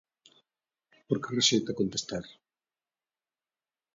Por que rexeita contestar?